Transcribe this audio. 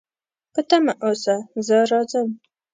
په تمه اوسه، زه راځم